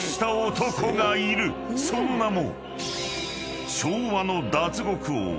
［その名も］